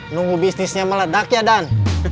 nunggu bisnisnya meledak ya dan